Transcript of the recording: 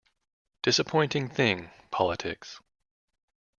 Disappointing thing, politics.